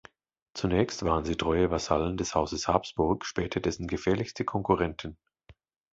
Zunächst waren sie treue Vasallen des Hauses Habsburg, später dessen gefährlichste Konkurrenten.